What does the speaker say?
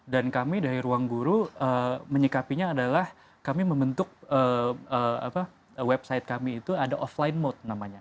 dan kami dari ruang guru menyikapinya adalah kami membentuk website kami itu ada offline mode namanya